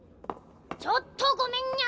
ちょっとごめんニャ！